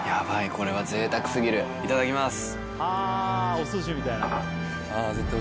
これは贅沢過ぎるいただきます。